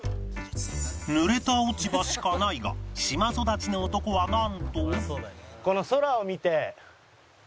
濡れた落ち葉しかないが島育ちの男はなんと